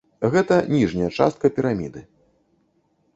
Гэта ніжняя частка піраміды.